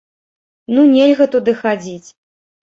Ну нельга туды хадзіць!